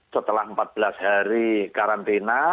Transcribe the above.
setelah empat belas hari karantina